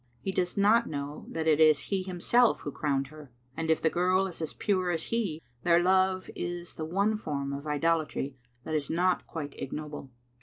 He does not know that it is he himself who crowned her, and if the girl is as pure as he, their love is the one form of idolatry that is not quite ignoble.